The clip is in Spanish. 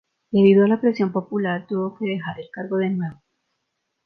Debido a la presión popular tuvo que dejar el cargo de nuevo.